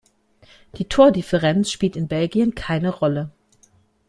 Die Tordifferenz spielt in Belgien keine Rolle.